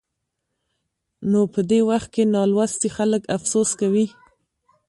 نو په دې وخت کې نالوستي خلک افسوس کوي.